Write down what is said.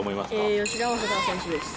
吉田正尚選手です。